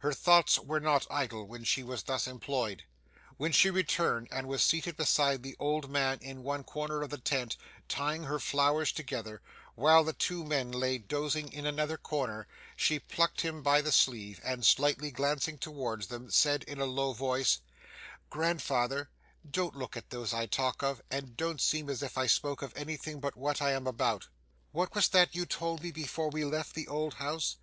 Her thoughts were not idle while she was thus employed; when she returned and was seated beside the old man in one corner of the tent, tying her flowers together, while the two men lay dozing in another corner, she plucked him by the sleeve, and slightly glancing towards them, said, in a low voice 'Grandfather, don't look at those I talk of, and don't seem as if I spoke of anything but what I am about. What was that you told me before we left the old house?